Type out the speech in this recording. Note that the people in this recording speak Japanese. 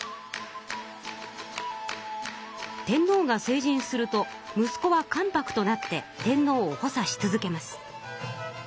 天皇が成人するとむすこは関白となって天皇をほさし続けます。